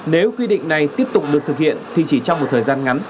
nếu quy định này tiếp tục được thực hiện thì chỉ trong một thời gian ngắn